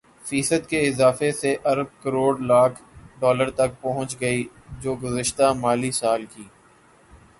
فیصد کے اضافے سے ارب کروڑ لاکھ ڈالر تک پہنچ گئی جو گزشتہ مالی سال کی